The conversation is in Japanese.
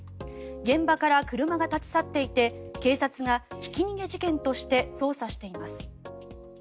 現場から車が立ち去っていて警察がひき逃げ事件として捜査しています。